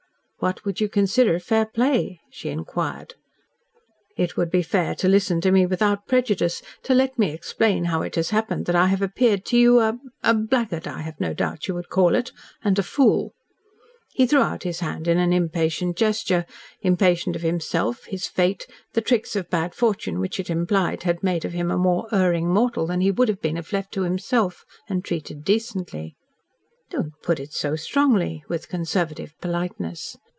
"What would you consider fair play?" she inquired. "It would be fair to listen to me without prejudice to let me explain how it has happened that I have appeared to you a a blackguard I have no doubt you would call it and a fool." He threw out his hand in an impatient gesture impatient of himself his fate the tricks of bad fortune which it implied had made of him a more erring mortal than he would have been if left to himself, and treated decently. "Do not put it so strongly," with conservative politeness.